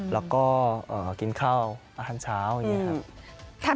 แล้วก็กินข้าวอาหารเช้าอย่างนี้ครับ